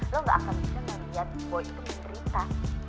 lo enggak akan bisa ngeliat boy itu menderita